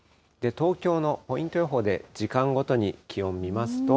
東京のポイント予報で時間ごとに気温見ますと。